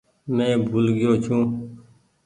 مين ڀول گئيو ڇون۔